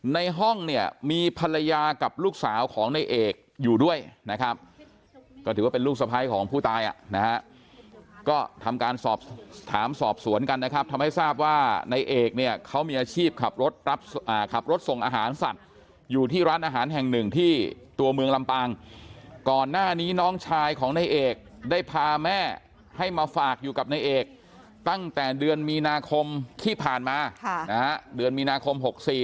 ในห้องเนี่ยมีภรรยากับลูกสาวของในเอกอยู่ด้วยนะครับก็ถือว่าเป็นลูกสะพ้ายของผู้ตายอ่ะนะฮะก็ทำการสอบถามสอบสวนกันนะครับทำให้ทราบว่าในเอกเนี่ยเขามีอาชีพขับรถรับขับรถส่งอาหารสัตว์อยู่ที่ร้านอาหารแห่งหนึ่งที่ตัวเมืองลำปางก่อนหน้านี้น้องชายของนายเอกได้พาแม่ให้มาฝากอยู่กับนายเอกตั้งแต่เดือนมีนาคมที่ผ่านมานะฮะเดือนมีนาคม๖๔